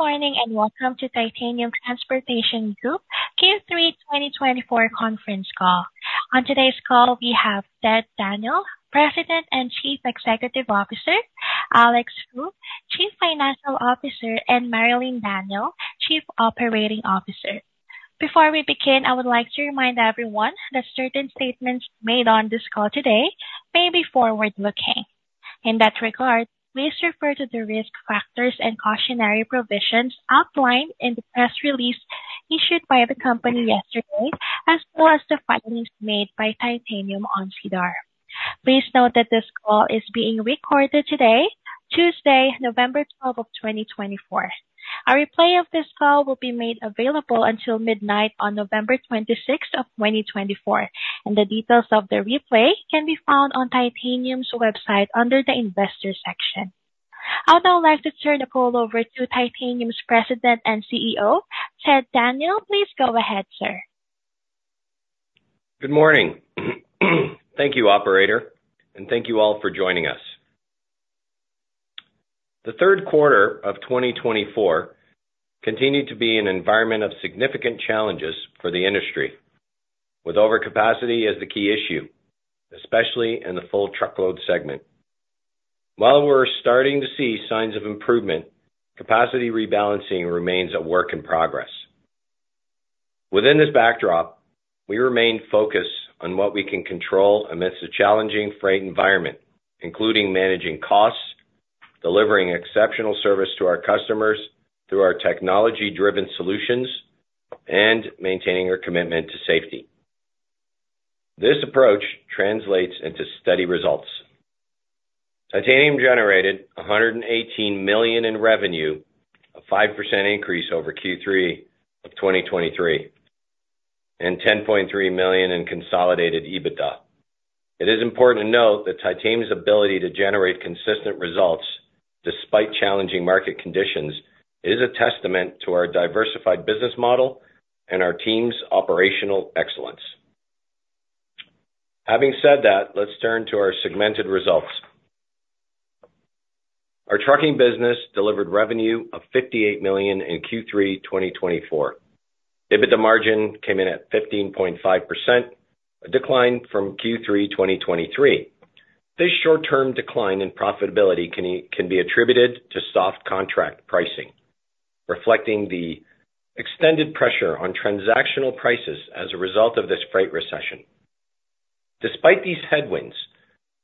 Good morning and welcome to Titanium Transportation Group Q3 2024 conference call. On today's call, we have Ted Daniel, President and Chief Executive Officer, Alex Fu, Chief Financial Officer, and Marilyn Daniel, Chief Operating Officer. Before we begin, I would like to remind everyone that certain statements made on this call today may be forward-looking. In that regard, please refer to the risk factors and cautionary provisions outlined in the press release issued by the company yesterday, as well as the findings made by Titanium on SEDAR+. Please note that this call is being recorded today, Tuesday, November 12, 2024. A replay of this call will be made available until midnight on November 26, 2024, and the details of the replay can be found on Titanium's website under the Investor section. I would now like to turn the call over to Titanium's President and CEO, Ted Daniel. Please go ahead, sir. Good morning. Thank you, Operator, and thank you all for joining us. The third quarter of 2024 continued to be an environment of significant challenges for the industry, with overcapacity as the key issue, especially in the full truckload segment. While we're starting to see signs of improvement, capacity rebalancing remains a work in progress. Within this backdrop, we remain focused on what we can control amidst a challenging freight environment, including managing costs, delivering exceptional service to our customers through our technology-driven solutions, and maintaining our commitment to safety. This approach translates into steady results. Titanium generated 118 million in revenue, a 5% increase over Q3 of 2023, and 10.3 million in consolidated EBITDA. It is important to note that Titanium's ability to generate consistent results despite challenging market conditions is a testament to our diversified business model and our team's operational excellence. Having said that, let's turn to our segmented results. Our trucking business delivered revenue of 58 million in Q3 2024. EBITDA margin came in at 15.5%, a decline from Q3 2023. This short-term decline in profitability can be attributed to soft contract pricing, reflecting the extended pressure on transactional prices as a result of this freight recession. Despite these headwinds,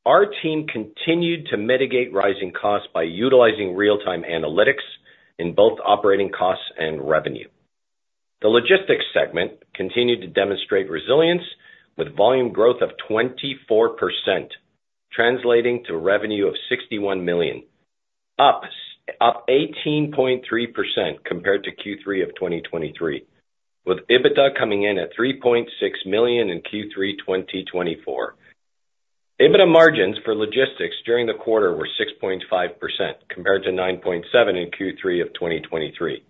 our team continued to mitigate rising costs by utilizing real-time analytics in both operating costs and revenue. The logistics segment continued to demonstrate resilience, with volume growth of 24%, translating to a revenue of 61 million, up 18.3% compared to Q3 of 2023, with EBITDA coming in at 3.6 million in Q3 2024. EBITDA margins for logistics during the quarter were 6.5%, compared to 9.7% in Q3 of 2023.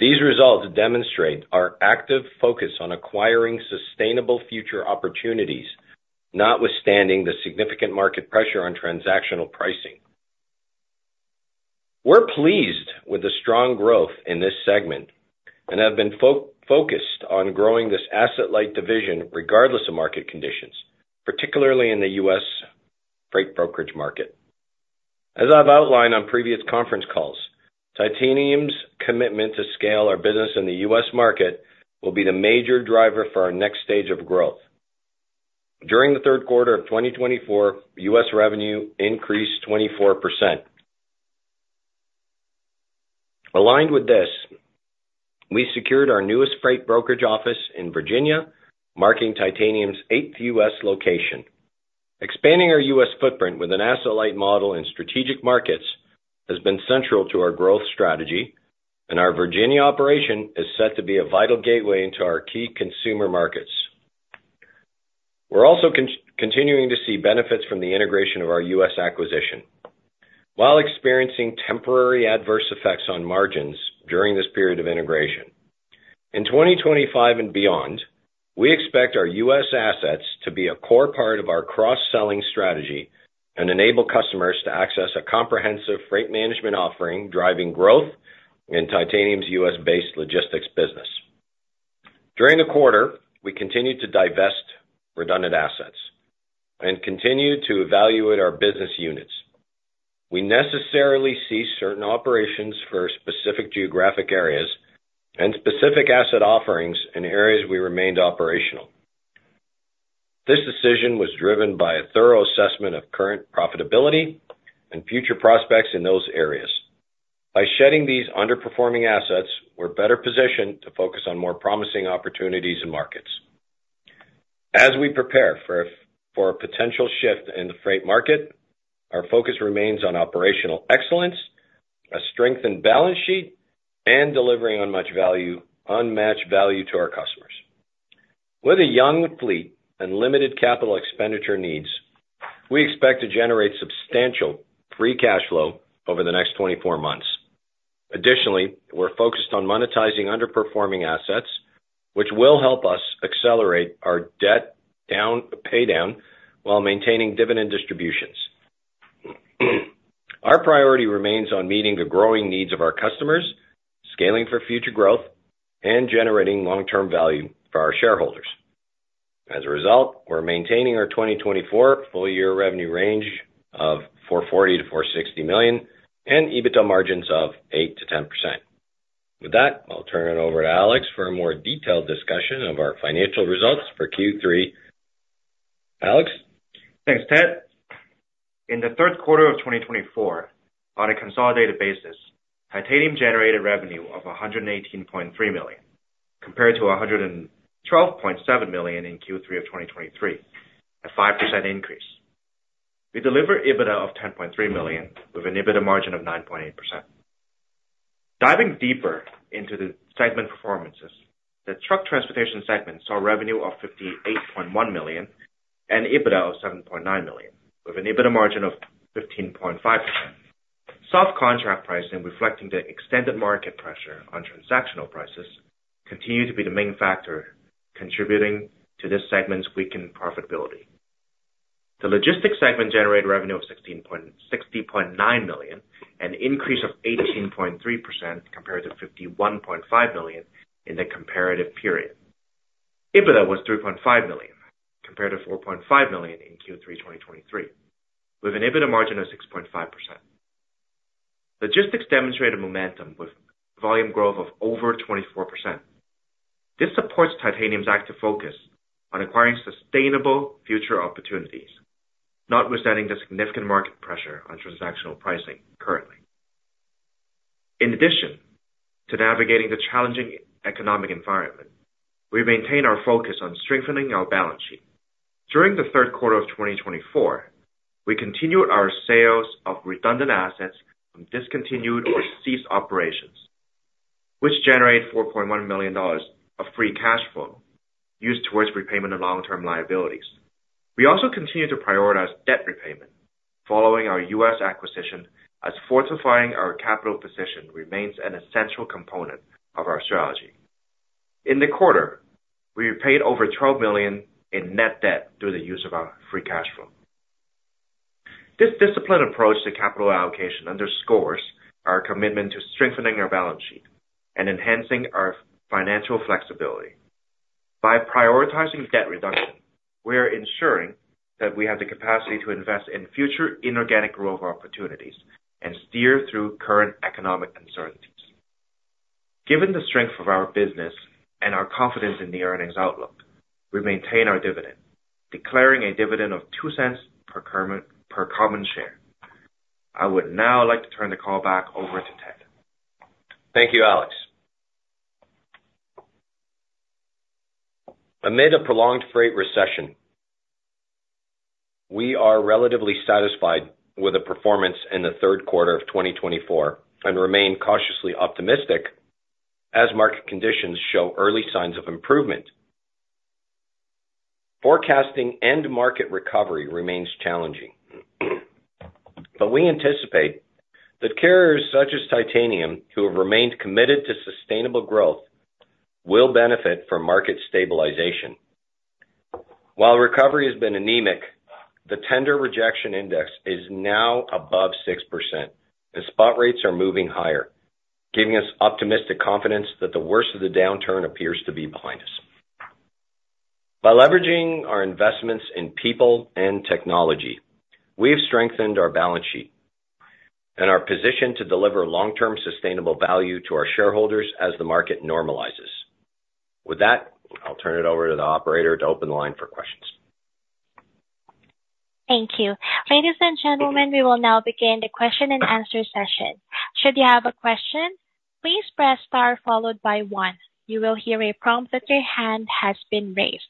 These results demonstrate our active focus on acquiring sustainable future opportunities, notwithstanding the significant market pressure on transactional pricing. We're pleased with the strong growth in this segment and have been focused on growing this asset-light division regardless of market conditions, particularly in the U.S. freight brokerage market. As I've outlined on previous conference calls, Titanium's commitment to scale our business in the U.S. market will be the major driver for our next stage of growth. During the third quarter of 2024, U.S. revenue increased 24%. Aligned with this, we secured our newest freight brokerage office in Virginia, marking Titanium's eighth U.S. location. Expanding our U.S. footprint with an asset-light model in strategic markets has been central to our growth strategy, and our Virginia operation is set to be a vital gateway into our key consumer markets. We're also continuing to see benefits from the integration of our U.S. acquisition, while experiencing temporary adverse effects on margins during this period of integration. In 2025 and beyond, we expect our U.S. assets to be a core part of our cross-selling strategy and enable customers to access a comprehensive freight management offering driving growth in Titanium's U.S.-based logistics business. During the quarter, we continued to divest redundant assets and continue to evaluate our business units. We necessarily ceased certain operations for specific geographic areas and specific asset offerings in areas we remained operational. This decision was driven by a thorough assessment of current profitability and future prospects in those areas. By shedding these underperforming assets, we're better positioned to focus on more promising opportunities and markets. As we prepare for a potential shift in the freight market, our focus remains on operational excellence, a strengthened balance sheet, and delivering unmatched value to our customers. With a young fleet and limited capital expenditure needs, we expect to generate substantial free cash flow over the next 24 months. Additionally, we're focused on monetizing underperforming assets, which will help us accelerate our debt paydown while maintaining dividend distributions. Our priority remains on meeting the growing needs of our customers, scaling for future growth, and generating long-term value for our shareholders. As a result, we're maintaining our 2024 full-year revenue range of 440 million-460 million and EBITDA margins of 8%-10%. With that, I'll turn it over to Alex for a more detailed discussion of our financial results for Q3. Alex? Thanks, Ted. In the third quarter of 2024, on a consolidated basis, Titanium generated revenue of 118.3 million, compared to 112.7 million in Q3 of 2023, a 5% increase. We delivered EBITDA of 10.3 million with an EBITDA margin of 9.8%. Diving deeper into the segment performances, the truck transportation segment saw revenue of 58.1 million and EBITDA of 7.9 million, with an EBITDA margin of 15.5%. Soft contract pricing, reflecting the extended market pressure on transactional prices, continued to be the main factor contributing to this segment's weakened profitability. The logistics segment generated revenue of 60.9 million and an increase of 18.3% compared to 51.5 million in the comparative period. EBITDA was 3.5 million, compared to 4.5 million in Q3 2023, with an EBITDA margin of 6.5%. Logistics demonstrated momentum with volume growth of over 24%. This supports Titanium's active focus on acquiring sustainable future opportunities, notwithstanding the significant market pressure on transactional pricing currently. In addition to navigating the challenging economic environment, we maintain our focus on strengthening our balance sheet. During the third quarter of 2024, we continued our sales of redundant assets from discontinued or ceased operations, which generated $4.1 million of free cash flow used towards repayment of long-term liabilities. We also continue to prioritize debt repayment, following our U.S. acquisition, as fortifying our capital position remains an essential component of our strategy. In the quarter, we paid over $12 million in net debt through the use of our free cash flow. This disciplined approach to capital allocation underscores our commitment to strengthening our balance sheet and enhancing our financial flexibility. By prioritizing debt reduction, we are ensuring that we have the capacity to invest in future inorganic growth opportunities and steer through current economic uncertainties. Given the strength of our business and our confidence in the earnings outlook, we maintain our dividend, declaring a dividend of 0.02 per common share. I would now like to turn the call back over to Ted. Thank you, Alex. Amid a prolonged freight recession, we are relatively satisfied with the performance in the third quarter of 2024 and remain cautiously optimistic as market conditions show early signs of improvement. Forecasting end market recovery remains challenging, but we anticipate that carriers such as Titanium, who have remained committed to sustainable growth, will benefit from market stabilization. While recovery has been anemic, the tender rejection index is now above 6%, and spot rates are moving higher, giving us optimistic confidence that the worst of the downturn appears to be behind us. By leveraging our investments in people and technology, we have strengthened our balance sheet and our position to deliver long-term sustainable value to our shareholders as the market normalizes. With that, I'll turn it over to the Operator to open the line for questions. Thank you. Ladies and gentlemen, we will now begin the question-and-answer session. Should you have a question, please press star followed by one. You will hear a prompt that your hand has been raised.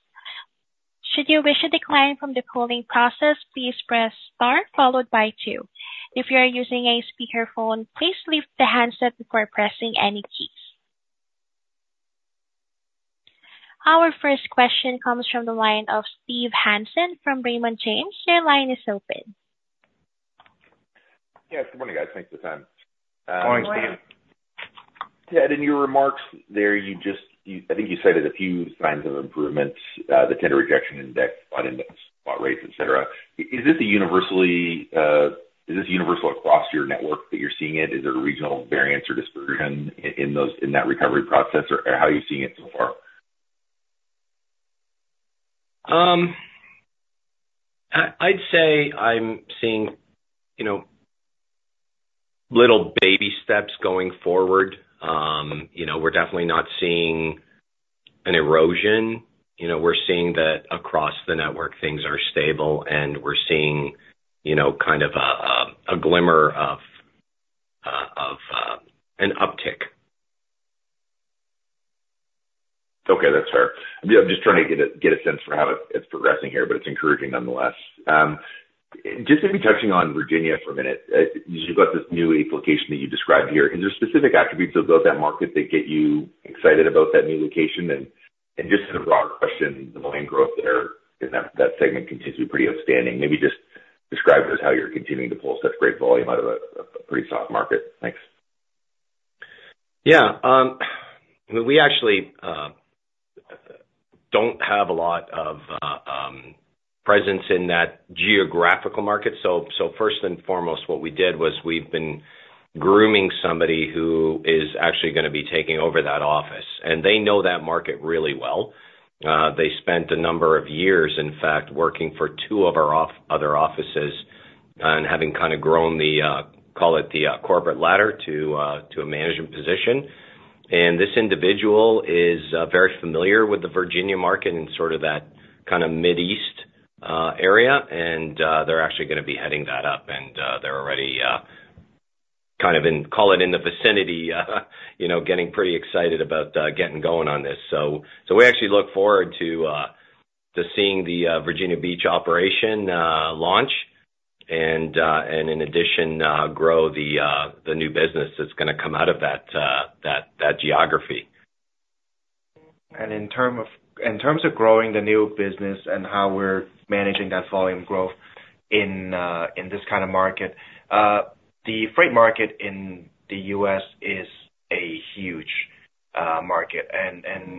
Should you wish to decline from the polling process, please press star followed by two. If you are using a speakerphone, please leave the handset before pressing any keys. Our first question comes from the line of Steve Hansen from Raymond James. Your line is open. Yeah, good morning, guys. Thanks for the time. Morning, Steve. Ted, in your remarks there, you just, I think you cited a few signs of improvement: the tender rejection index, spot index, spot rates, etc. Is this universally, is this universal across your network that you're seeing it? Is there a regional variance or dispersion in that recovery process, or how are you seeing it so far? I'd say I'm seeing little baby steps going forward. We're definitely not seeing an erosion. We're seeing that across the network, things are stable, and we're seeing kind of a glimmer of an uptick. Okay, that's fair. I'm just trying to get a sense for how it's progressing here, but it's encouraging nonetheless. Just to be touching on Virginia for a minute, you've got this new location that you described here. Is there specific attributes of that market that get you excited about that new location? And just as a broader question, the volume growth there in that segment continues to be pretty outstanding. Maybe just describe just how you're continuing to pull such great volume out of a pretty soft market. Thanks. Yeah. We actually don't have a lot of presence in that geographical market. So first and foremost, what we did was we've been grooming somebody who is actually going to be taking over that office. And they know that market really well. They spent a number of years, in fact, working for two of our other offices and having kind of grown the - call it the corporate ladder - to a management position. And this individual is very familiar with the Virginia market and sort of that kind of mid-east area. And they're actually going to be heading that up. And they're already kind of in - call it in the vicinity - getting pretty excited about getting going on this. So we actually look forward to seeing the Virginia Beach operation launch and, in addition, grow the new business that's going to come out of that geography. In terms of growing the new business and how we're managing that volume growth in this kind of market, the freight market in the U.S. is a huge market.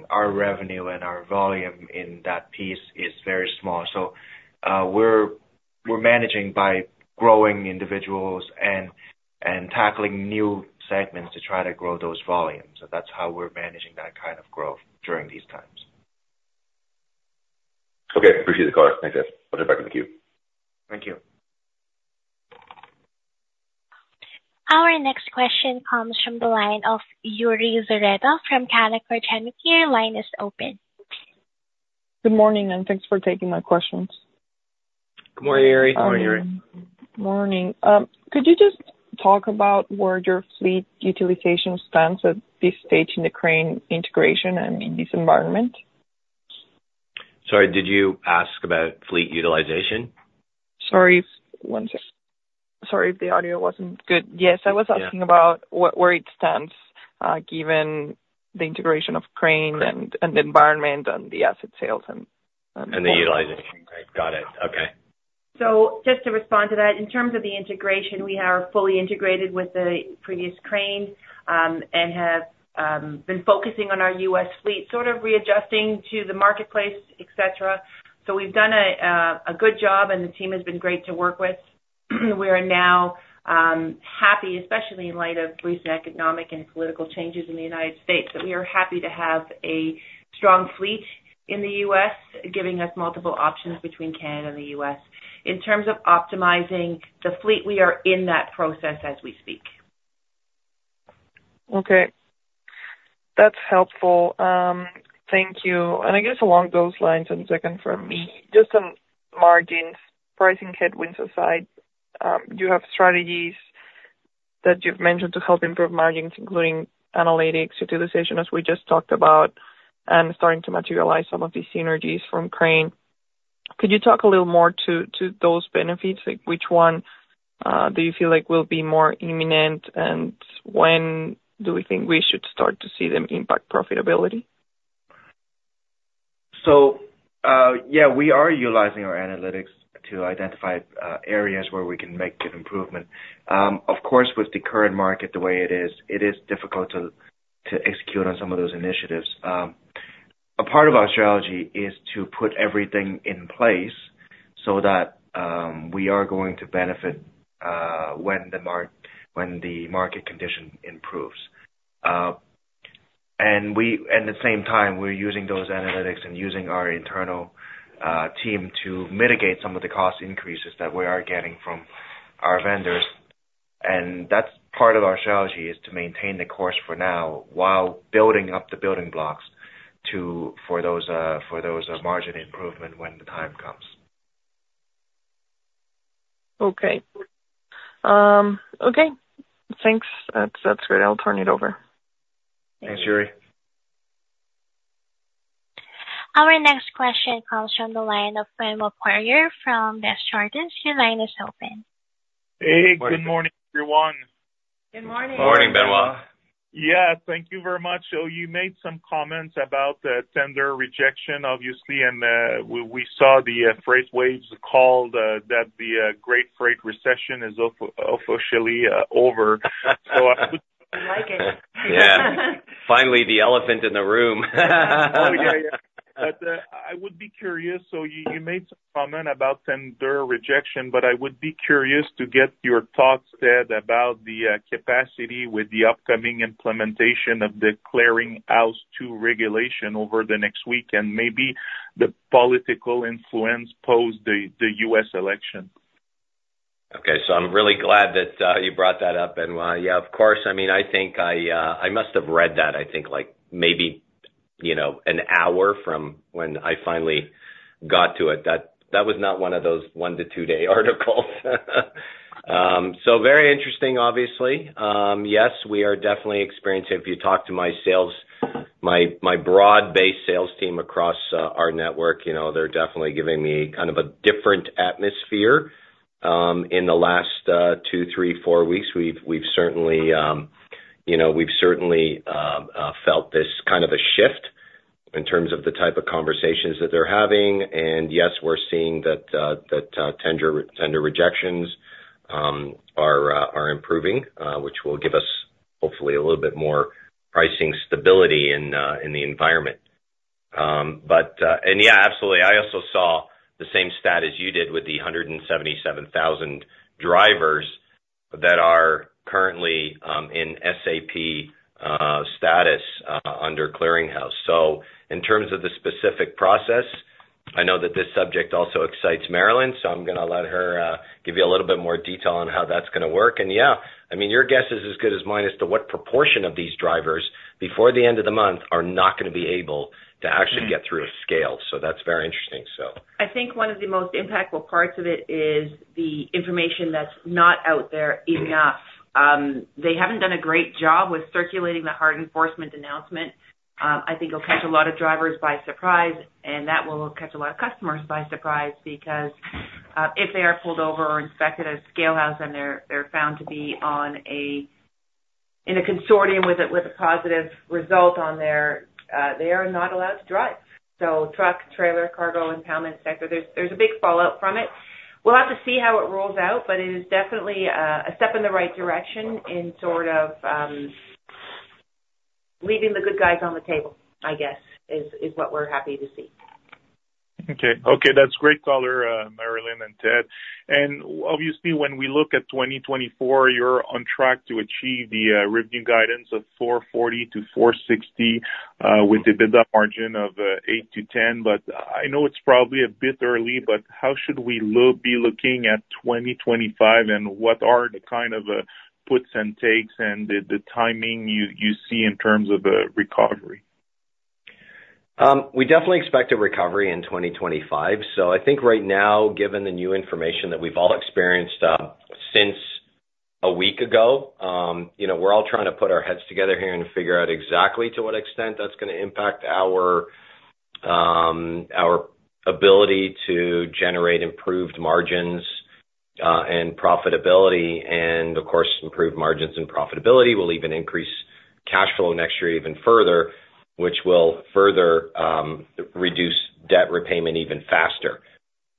Our revenue and our volume in that piece is very small. We're managing by growing individuals and tackling new segments to try to grow those volumes. That's how we're managing that kind of growth during these times. Okay. Appreciate the call. Thanks, guys. I'll turn it back over to you. Thank you. Our next question comes from the line of Yuri Lynk from Canaccord Genuity. Line is open. Good morning, and thanks for taking my questions. Good morning, Yuri. Morning, Yuri. Morning. Could you just talk about where your fleet utilization stands at this stage in the Crane integration and in this environment? Sorry, did you ask about fleet utilization? Sorry, one sec. Sorry, the audio wasn't good. Yes, I was asking about where it stands given the integration of Crane and the environment and the asset sales and. The utilization. Got it. Okay. So just to respond to that, in terms of the integration, we are fully integrated with the previous Crane and have been focusing on our U.S. fleet, sort of readjusting to the marketplace, etc. So we've done a good job, and the team has been great to work with. We are now happy, especially in light of recent economic and political changes in the United States, that we are happy to have a strong fleet in the U.S., giving us multiple options between Canada and the U.S. In terms of optimizing the fleet, we are in that process as we speak. Okay. That's helpful. Thank you. And I guess along those lines, and to confirm, just some margins pricing headwinds aside, you have strategies that you've mentioned to help improve margins, including analytics, utilization, as we just talked about, and starting to materialize some of these synergies from Crane. Could you talk a little more to those benefits? Which one do you feel like will be more imminent, and when do we think we should start to see them impact profitability? So yeah, we are utilizing our analytics to identify areas where we can make an improvement. Of course, with the current market the way it is, it is difficult to execute on some of those initiatives. A part of our strategy is to put everything in place so that we are going to benefit when the market condition improves. And at the same time, we're using those analytics and using our internal team to mitigate some of the cost increases that we are getting from our vendors. And that's part of our strategy, is to maintain the course for now while building up the building blocks for those margin improvements when the time comes. Okay. Okay. Thanks. That's great. I'll turn it over. Thanks, Yuri. Our next question comes from the line of Benoit Poirier from Desjardins Capital Markets. Your line is open. Hey, good morning, everyone. Good morning. Morning, Benoit. Yes, thank you very much. So you made some comments about the tender rejection, obviously, and we saw the FreightWaves called that the Great Freight Recession is officially over. I like it. Finally, the elephant in the room. Oh, yeah, yeah. I would be curious. So you made some comment about tender rejection, but I would be curious to get your thoughts, Ted, about the capacity with the upcoming implementation of the Clearinghouse-II regulation over the next week and maybe the political influence post the U.S. election. Okay. So I'm really glad that you brought that up. And yeah, of course, I mean, I think I must have read that, I think, like maybe an hour from when I finally got to it. That was not one of those one-to-two-day articles. So very interesting, obviously. Yes, we are definitely experiencing it. If you talk to my sales, my broad-based sales team across our network, they're definitely giving me kind of a different atmosphere in the last two, three, four weeks. We've certainly felt this kind of a shift in terms of the type of conversations that they're having. And yes, we're seeing that tender rejections are improving, which will give us, hopefully, a little bit more pricing stability in the environment. And yeah, absolutely. I also saw the same stat as you did with the 177,000 drivers that are currently in SAP status under Clearinghouse. So in terms of the specific process, I know that this subject also excites Marilyn, so I'm going to let her give you a little bit more detail on how that's going to work. And yeah, I mean, your guess is as good as mine as to what proportion of these drivers before the end of the month are not going to be able to actually get through a scale. So that's very interesting, so. I think one of the most impactful parts of it is the information that's not out there enough. They haven't done a great job with circulating the hard enforcement announcement. I think it'll catch a lot of drivers by surprise, and that will catch a lot of customers by surprise because if they are pulled over or inspected at a scalehouse and they're found to be in the Clearinghouse with a positive result in there, they are not allowed to drive, so truck, trailer, cargo, impoundment sector, there's a big fallout from it. We'll have to see how it rolls out, but it is definitely a step in the right direction in sort of leaving the good guys on the table, I guess, is what we're happy to see. Okay. Okay. That's great color, Marilyn and Ted. And obviously, when we look at 2024, you're on track to achieve the revenue guidance of 440-460 with an EBITDA margin of 8%-10%. But I know it's probably a bit early, but how should we be looking at 2025 and what are the kind of puts and takes and the timing you see in terms of recovery? We definitely expect a recovery in 2025, so I think right now, given the new information that we've all experienced since a week ago, we're all trying to put our heads together here and figure out exactly to what extent that's going to impact our ability to generate improved margins and profitability, and of course, improved margins and profitability will even increase cash flow next year even further, which will further reduce debt repayment even faster.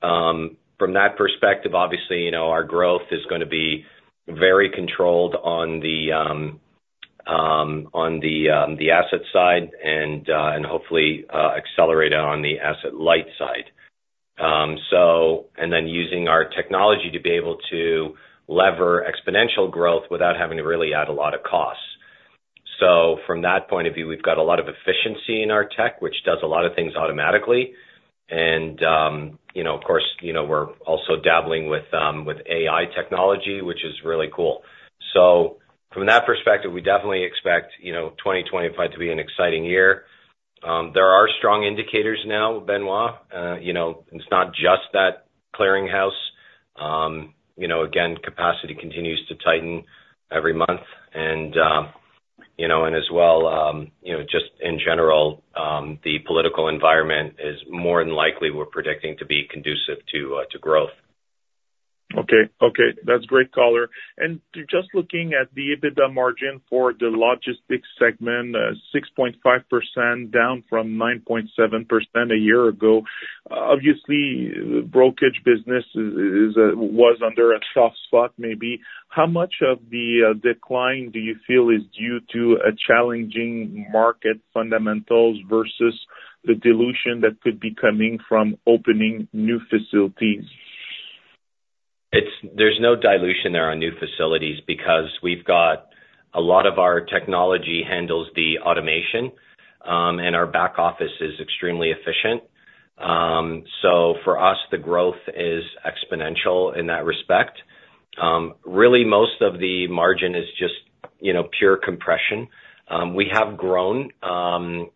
From that perspective, obviously, our growth is going to be very controlled on the asset side and hopefully accelerate on the asset-light side, and then using our technology to be able to leverage exponential growth without having to really add a lot of costs, so from that point of view, we've got a lot of efficiency in our tech, which does a lot of things automatically. Of course, we're also dabbling with AI technology, which is really cool. From that perspective, we definitely expect 2025 to be an exciting year. There are strong indicators now, Benoit. It's not just that Clearinghouse. Again, capacity continues to tighten every month. As well, just in general, the political environment is more than likely we're predicting to be conducive to growth. Okay. Okay. That's great color. And just looking at the EBITDA margin for the logistics segment, 6.5% down from 9.7% a year ago. Obviously, brokerage business was under a soft spot maybe. How much of the decline do you feel is due to a challenging market fundamentals versus the dilution that could be coming from opening new facilities? There's no dilution there on new facilities because we've got a lot of our technology handles the automation, and our back office is extremely efficient. So for us, the growth is exponential in that respect. Really, most of the margin is just pure compression. We have grown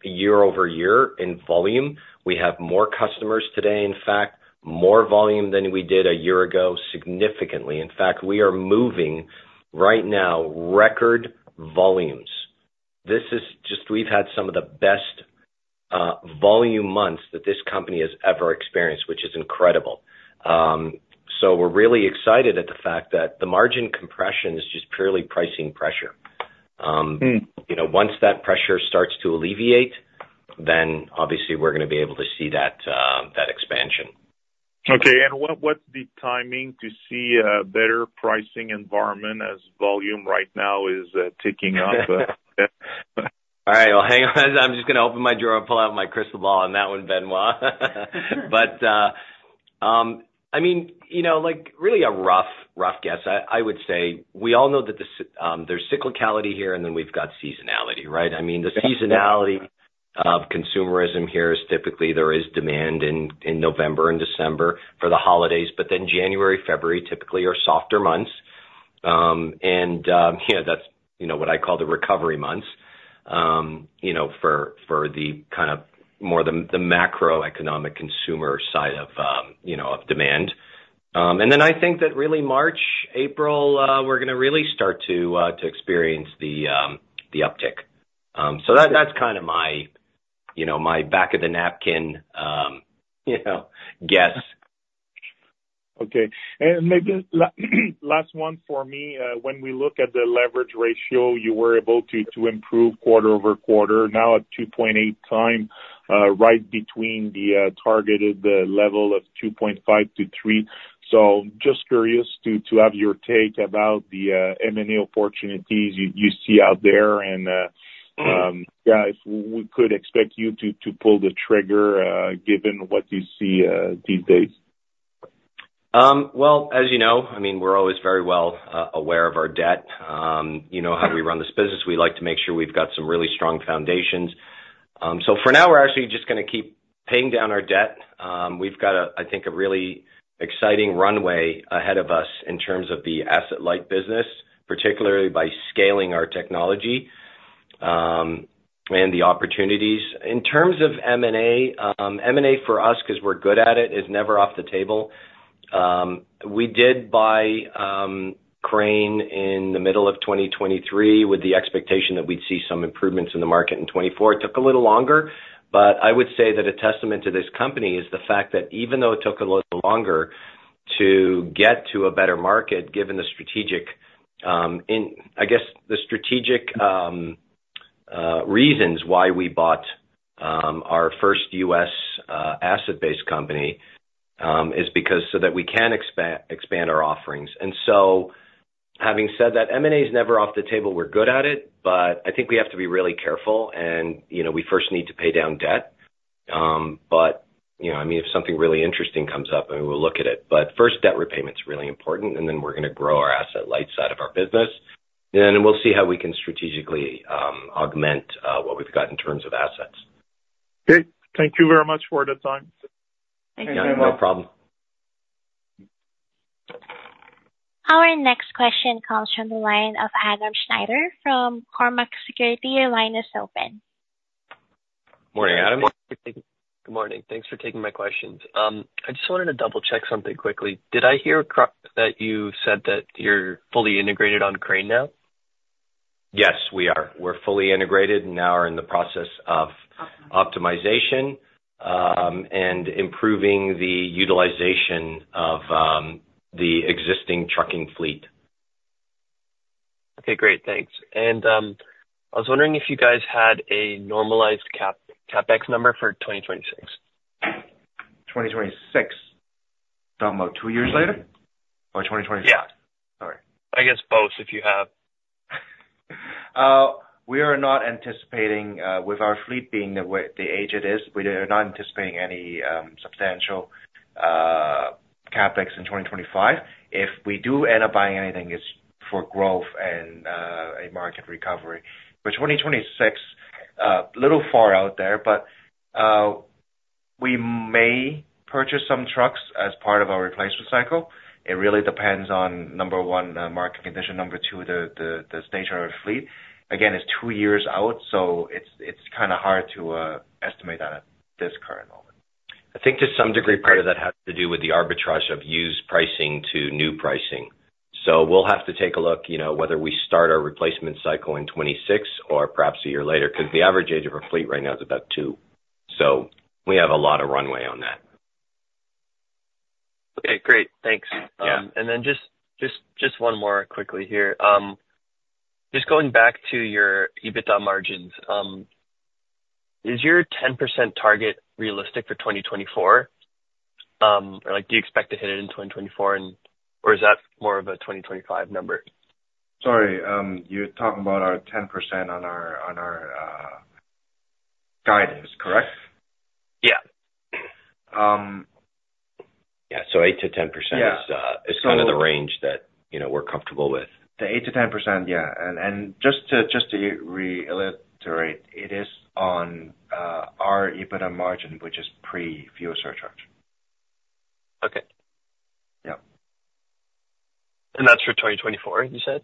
year over year in volume. We have more customers today, in fact, more volume than we did a year ago, significantly. In fact, we are moving right now record volumes. This is just we've had some of the best volume months that this company has ever experienced, which is incredible. So we're really excited at the fact that the margin compression is just purely pricing pressure. Once that pressure starts to alleviate, then obviously we're going to be able to see that expansion. Okay. And what's the timing to see a better pricing environment as volume right now is ticking up? All right, well, hang on. I'm just going to open my drawer, pull out my crystal ball, and hand that one to Benoit, but I mean, really a rough guess, I would say. We all know that there's cyclicality here, and then we've got seasonality, right? I mean, the seasonality of consumerism here is typically there is demand in November and December for the holidays, but then January, February typically are softer months, and yeah, that's what I call the recovery months for the kind of more of the macroeconomic consumer side of demand, and then I think that really March, April, we're going to really start to experience the uptick, so that's kind of my back-of-the-napkin guess. Okay. And maybe last one for me. When we look at the leverage ratio, you were able to improve quarter over quarter. Now at 2.8 times, right between the targeted level of 2.5-3. So just curious to have your take about the M&A opportunities you see out there. And yeah, if we could expect you to pull the trigger given what you see these days. As you know, I mean, we're always very well aware of our debt. You know how we run this business. We like to make sure we've got some really strong foundations. So for now, we're actually just going to keep paying down our debt. We've got, I think, a really exciting runway ahead of us in terms of the asset-light business, particularly by scaling our technology and the opportunities. In terms of M&A, M&A for us, because we're good at it, is never off the table. We did buy Crane in the middle of 2023 with the expectation that we'd see some improvements in the market in 2024. It took a little longer, but I would say that a testament to this company is the fact that even though it took a little longer to get to a better market, given the strategic, I guess, the strategic reasons why we bought our first U.S. asset-based company is because so that we can expand our offerings. And so having said that, M&A is never off the table. We're good at it, but I think we have to be really careful, and we first need to pay down debt. But I mean, if something really interesting comes up, we will look at it. But first, debt repayment is really important, and then we're going to grow our asset-light side of our business. And then we'll see how we can strategically augment what we've got in terms of assets. Okay. Thank you very much for the time. Thank you. No problem. Our next question comes from the line of Adam Schneider from Cormark Securities. Your line is open. Morning, Adam. Good morning. Thanks for taking my questions. I just wanted to double-check something quickly. Did I hear that you said that you're fully integrated on Crane now? Yes, we are. We're fully integrated and now are in the process of optimization and improving the utilization of the existing trucking fleet. Okay. Great. Thanks, and I was wondering if you guys had a normalized CapEx number for 2026. 2026, talking about two years later or 2026? Yeah. All right. I guess both if you have. We are not anticipating, with our fleet being the age it is, we are not anticipating any substantial CapEx in 2025. If we do end up buying anything, it's for growth and a market recovery. But 2026, a little far out there, but we may purchase some trucks as part of our replacement cycle. It really depends on, number one, market condition. Number two, the state of our fleet. Again, it's two years out, so it's kind of hard to estimate that at this current moment. I think to some degree, part of that has to do with the arbitrage of used pricing to new pricing. So we'll have to take a look whether we start our replacement cycle in 2026 or perhaps a year later because the average age of our fleet right now is about two. So we have a lot of runway on that. Okay. Great. Thanks. And then just one more quickly here. Just going back to your EBITDA margins, is your 10% target realistic for 2024? Do you expect to hit it in 2024, or is that more of a 2025 number? Sorry. You're talking about our 10% on our guidance, correct? Yeah. Yeah, so 8%-10% is kind of the range that we're comfortable with. The 8%-10%, yeah. And just to reiterate, it is on our EBITDA margin, which is pre-fuel surcharge. Okay. Yeah. And that's for 2024, you said?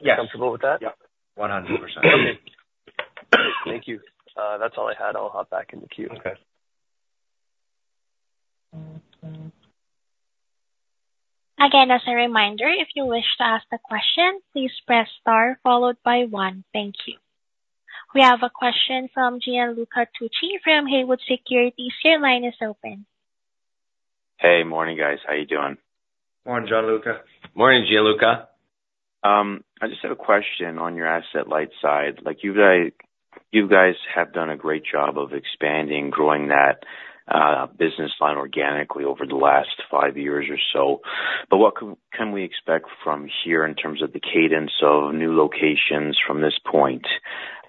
Yes. You're comfortable with that? Yeah. 100%. Okay. Thank you. That's all I had. I'll hop back into queue. Okay. Again, as a reminder, if you wish to ask a question, please press star followed by one. Thank you. We have a question from Gianluca Tucci from Haywood Securities. Your line is open. Hey, morning, guys. How are you doing? Morning, Gianluca. Morning, Gianluca. I just have a question on your asset-light side. You guys have done a great job of expanding, growing that business line organically over the last five years or so. But what can we expect from here in terms of the cadence of new locations from this point?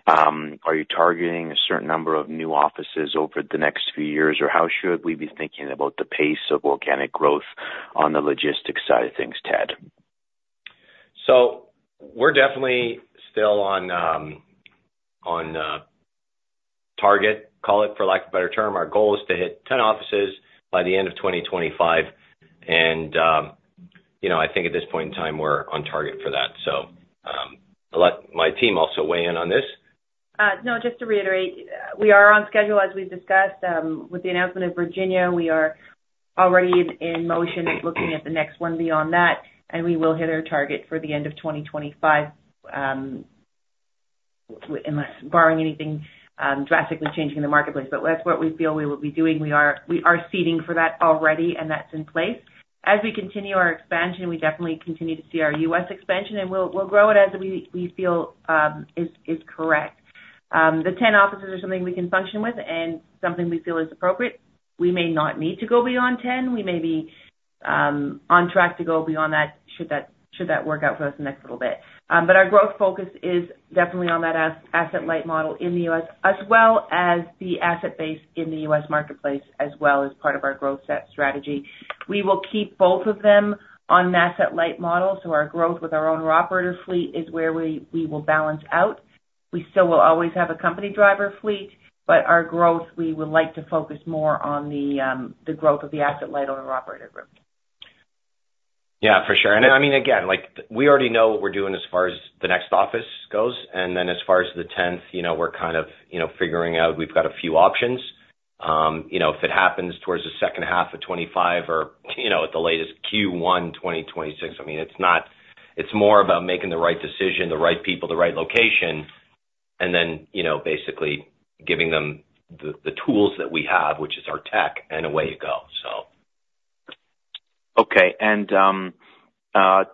Are you targeting a certain number of new offices over the next few years, or how should we be thinking about the pace of organic growth on the logistics side of things, Ted? So we're definitely still on target, call it for lack of a better term. Our goal is to hit 10 offices by the end of 2025. And I think at this point in time, we're on target for that. So I'll let my team also weigh in on this. No, just to reiterate, we are on schedule as we've discussed. With the announcement of Virginia, we are already in motion looking at the next one beyond that, and we will hit our target for the end of 2025, barring anything drastically changing in the marketplace. But that's what we feel we will be doing. We are seeding for that already, and that's in place. As we continue our expansion, we definitely continue to see our U.S. expansion, and we'll grow it as we feel is correct. The 10 offices are something we can function with and something we feel is appropriate. We may not need to go beyond 10. We may be on track to go beyond that should that work out for us in the next little bit. But our growth focus is definitely on that asset-light model in the U.S., as well as the asset base in the U.S. marketplace, as well as part of our growth strategy. We will keep both of them on an asset-light model. So our growth with our owner-operator fleet is where we will balance out. We still will always have a company driver fleet, but our growth, we would like to focus more on the growth of the asset-light owner-operator group. Yeah, for sure. And I mean, again, we already know what we're doing as far as the next office goes. And then as far as the 10th, we're kind of figuring out we've got a few options. If it happens towards the second half of 2025 or at the latest Q1 2026, I mean, it's more about making the right decision, the right people, the right location, and then basically giving them the tools that we have, which is our tech, and away you go, so. Okay, and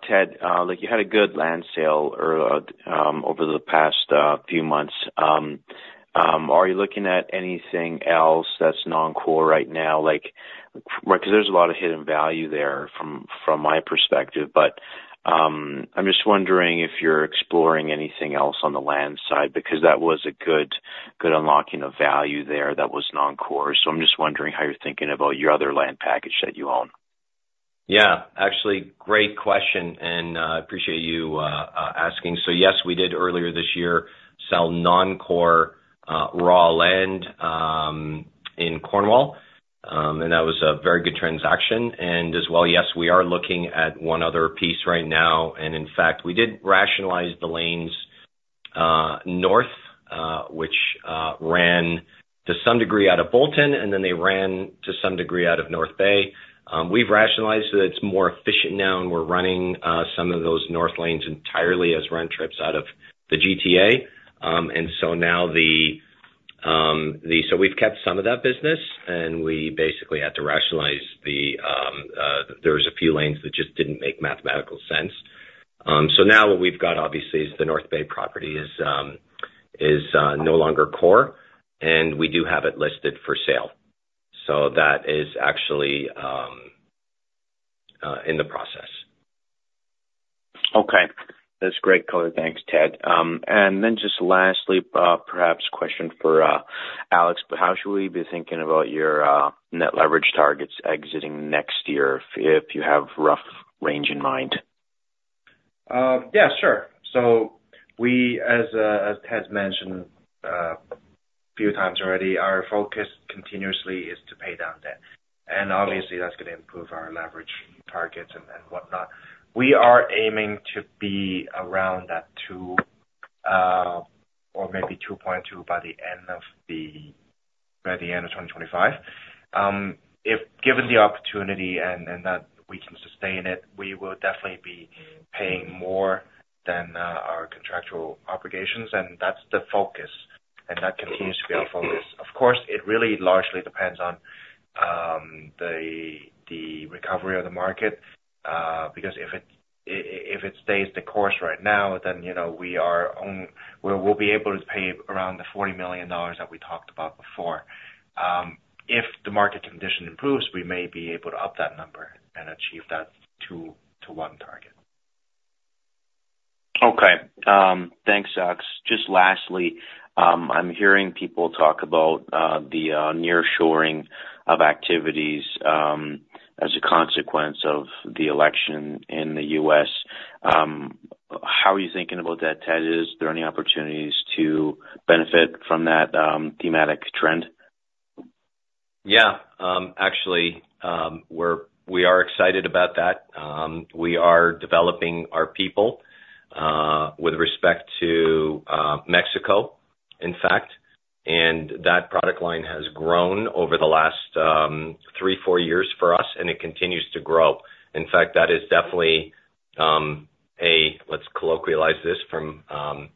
Ted, you had a good land sale over the past few months. Are you looking at anything else that's non-core right now? Because there's a lot of hidden value there from my perspective, but I'm just wondering if you're exploring anything else on the land side because that was a good unlocking of value there that was non-core. So I'm just wondering how you're thinking about your other land package that you own. Yeah. Actually, great question, and I appreciate you asking. So yes, we did earlier this year sell non-core raw land in Cornwall, and that was a very good transaction. And as well, yes, we are looking at one other piece right now. And in fact, we did rationalize the lanes north, which ran to some degree out of Bolton, and then they ran to some degree out of North Bay. We've rationalized that it's more efficient now, and we're running some of those north lanes entirely as round trips out of the GTA. And so now we've kept some of that business, and we basically had to rationalize. There was a few lanes that just didn't make mathematical sense. So now what we've got, obviously, is the North Bay property is no longer core, and we do have it listed for sale. That is actually in the process. Okay. That's great color. Thanks, Ted. And then just lastly, perhaps question for Alex, but how should we be thinking about your net leverage targets exiting next year if you have rough range in mind? Yeah, sure. So we, as Ted mentioned a few times already, our focus continuously is to pay down debt. And obviously, that's going to improve our leverage targets and whatnot. We are aiming to be around that 2 or maybe 2.2 by the end of 2025. If given the opportunity and that we can sustain it, we will definitely be paying more than our contractual obligations. And that's the focus, and that continues to be our focus. Of course, it really largely depends on the recovery of the market because if it stays the course right now, then we'll be able to pay around 40 million dollars that we talked about before. If the market condition improves, we may be able to up that number and achieve that 2 to 1 target. Okay. Thanks, Alex. Just lastly, I'm hearing people talk about the nearshoring of activities as a consequence of the election in the U.S. How are you thinking about that, Ted? Is there any opportunities to benefit from that thematic trend? Yeah. Actually, we are excited about that. We are developing our people with respect to Mexico, in fact. That product line has grown over the last three, four years for us, and it continues to grow. In fact, that is definitely a let's colloquialize this from our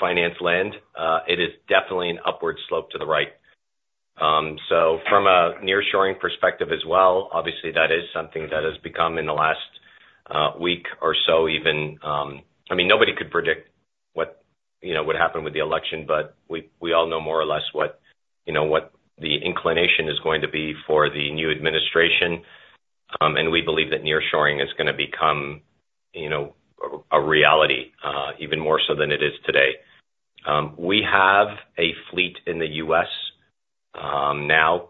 finance land. It is definitely an upward slope to the right. So from a nearshoring perspective as well, obviously, that is something that has become in the last week or so even. I mean, nobody could predict what would happen with the election, but we all know more or less what the inclination is going to be for the new administration. We believe that nearshoring is going to become a reality even more so than it is today. We have a fleet in the U.S. now.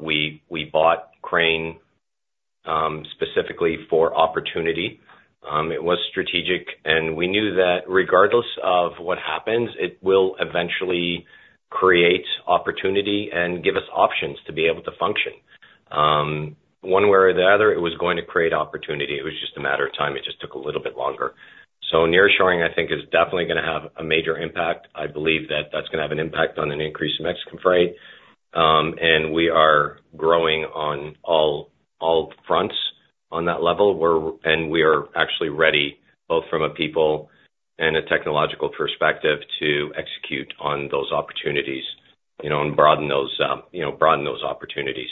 We bought Crane specifically for opportunity. It was strategic, and we knew that regardless of what happens, it will eventually create opportunity and give us options to be able to function. One way or the other, it was going to create opportunity. It was just a matter of time. It just took a little bit longer. So nearshoring, I think, is definitely going to have a major impact. I believe that that's going to have an impact on an increase in Mexican freight. And we are growing on all fronts on that level. And we are actually ready, both from a people and a technological perspective, to execute on those opportunities and broaden those opportunities.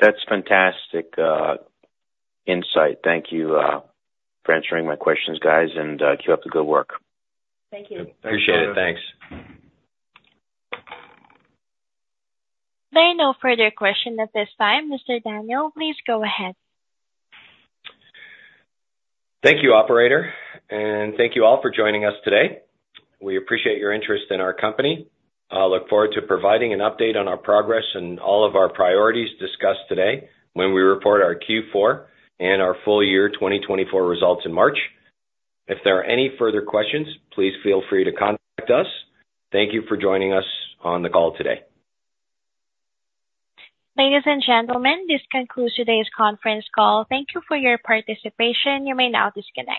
That's fantastic insight. Thank you for answering my questions, guys, and keep up the good work. Thank you. Appreciate it. Thanks. There are no further questions at this time. Mr. Daniel, please go ahead. Thank you, Operator, and thank you all for joining us today. We appreciate your interest in our company. I look forward to providing an update on our progress and all of our priorities discussed today when we report our Q4 and our full year 2024 results in March. If there are any further questions, please feel free to contact us. Thank you for joining us on the call today. Ladies and gentlemen, this concludes today's conference call. Thank you for your participation. You may now disconnect.